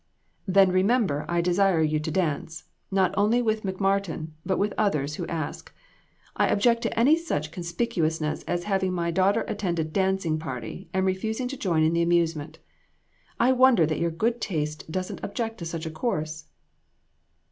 "Then remember I desire you to dance; not only with McMartin, but with others who ask. I object to any such conspicuousness as having my daughter attend a dancing party, and refusing to join in the amusement; I wonder that your good taste doesn't object to such a course."